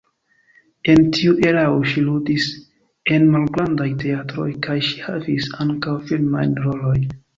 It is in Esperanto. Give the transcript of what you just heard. En tiu erao ŝi ludis en malgrandaj teatroj kaj ŝi havis ankaŭ filmajn rolojn.